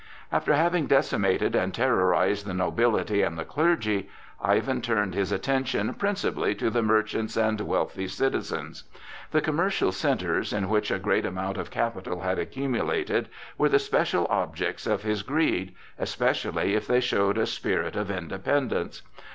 After having decimated and terrorized the nobility and the clergy, Ivan turned his attention principally to the merchants and wealthy citizens. The commercial centres, in which a great amount of capital had accumulated, were the special objects of his greed, especially if they showed a spirit of independence.